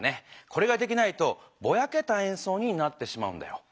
これができないとぼやけたえんそうになってしまうんだよ。